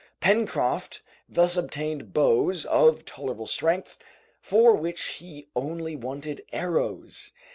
Pencroft thus obtained bows of tolerable strength, for which he only wanted arrows.